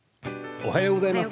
おはようございます。